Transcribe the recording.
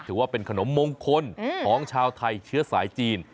ถือว่าเป็นขนมมงคลของชาวไทยเชื้อสายจีน